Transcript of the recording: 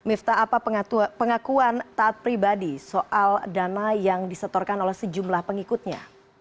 miftah apa pengakuan taat pribadi soal dana yang disetorkan oleh sejumlah pengikutnya